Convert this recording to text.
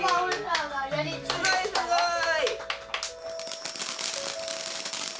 すごいすごい！